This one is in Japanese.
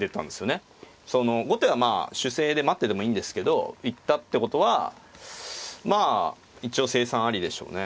後手がまあ守勢で待っててもいいんですけど行ったってことはまあ一応成算ありでしょうね。